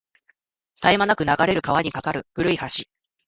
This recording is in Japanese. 絶え間なく流れる川に架かる古い橋